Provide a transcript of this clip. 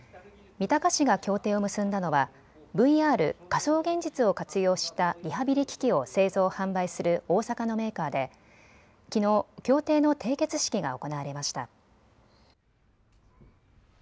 三鷹市が協定を結んだのはＶＲ・仮想現実を活用したリハビリ機器を製造・販売する大阪のメーカーできのう協定の締結式が行われました。